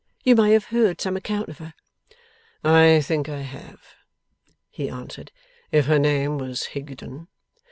You may have heard some account of her?' 'I think I have,' he answered, 'if her name was Higden.